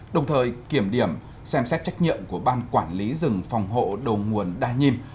đồng thời kiểm điểm xem xét trách nhiệm của ban quản lý rừng phòng hộ đầu nguồn đa nhiêm